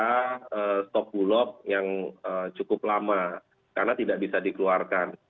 ada stok bulog yang cukup lama karena tidak bisa dikeluarkan